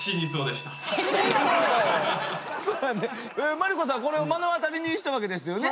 麻利子さんこれを目の当たりにしたわけですよね。